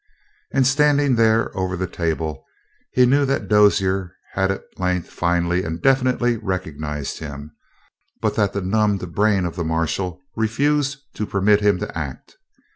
And standing there over the table, he knew that Dozier had at length finally and definitely recognized him; but that the numbed brain of the marshal refused to permit him to act.